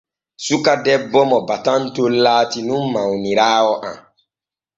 Suka debbo mo batanton laati nun mawniraawo am.